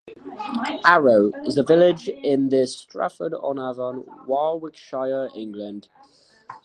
"Arrow" is a village in the Stratford-on-Avon Warwickshire, England.